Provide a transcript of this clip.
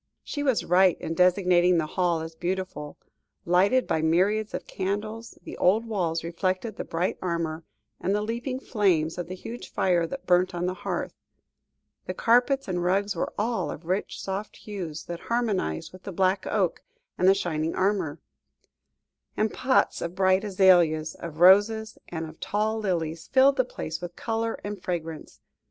She was right in designating the hall as beautiful. Lighted by myriads of candles, the old walls reflected the bright armour, and the leaping flames of the huge fire that burnt on the hearth; the carpets and rugs were all of rich soft hues, that harmonised with the black oak and the shining armour, and pots of bright azaleas, of roses, and of tall lilies, filled the place with colour and fragrance.